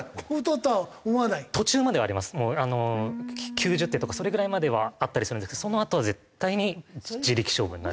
９０手とかそれぐらいまではあったりするんですけどそのあとは絶対に地力勝負になる。